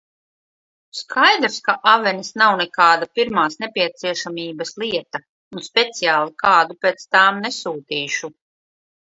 Skaidrs, ka avenes nav nekāda pirmās nepieciešamības lieta un speciāli kādu pēc tām nesūtīšu.